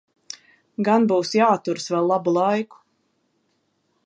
Gan būs jāturas vēl labu laiku.